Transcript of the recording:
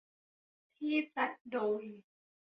ที่จัดโดย